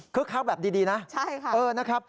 คึกคักแบบดีนะ